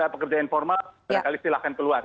pekerja informal setelah kali silahkan keluar